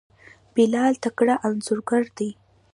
بلال تکړه انځورګر دی.